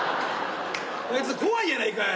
あいつ怖いやないかい。